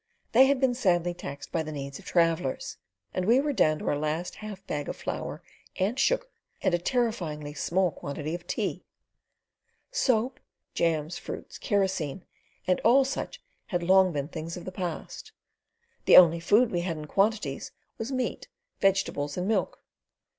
They had been sadly taxed by the needs of travellers, and we were down to our last half bag of flour and sugar, and a terrifyingly small quantity of tea; soap, jams, fruits, kerosene, and all such had long been things of the past. The only food we had in quantities was meat, vegetables, and milk.